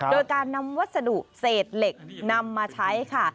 โดยการนำวัสดุเศษเหล็กนำมาใช้ค่ะ